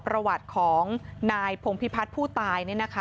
ประวัติของนายพงพิพัฒน์ผู้ตาย